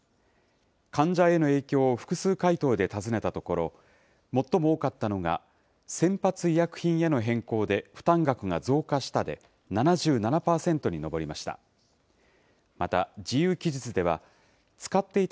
患者への影響を複数回答で尋ねたところ、最も多かったのが先発医薬品への変更で負担額が増加したで７７％に上りました。